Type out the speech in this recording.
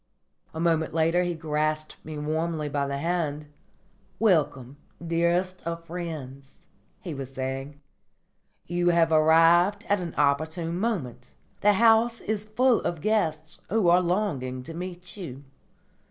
A moment later he grasped me warmly by the hand, "Welcome, dearest of friends," he was saying. "You have arrived at an opportune moment. The house is full of guests who are longing to meet you."